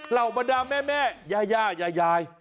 เหล่าบรรดาแม่ยายายาย